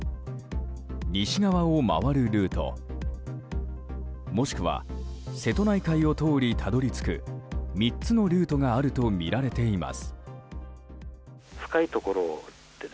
西側を回るルートもしくは瀬戸内海を通りたどり着く３つのルートがあるとみられています。